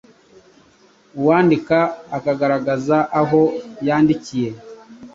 Uwandika agaragaza aho yandikiye,